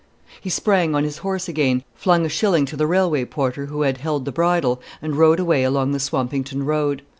He sprang on his horse again, flung a shilling to the railway porter who had held the bridle, and rode away along the Swampington road.